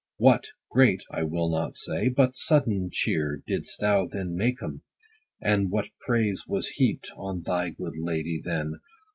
What (great, I will not say, but) sudden chear Didst thou then make 'em ! and what praise was heap'd On thy good lady, then